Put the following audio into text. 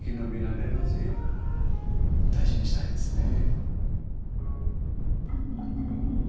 大事にしたいですね。